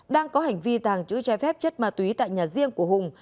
đang có hành vi tàng trữ trái phép chất ma túy tại nhà riêng của hùng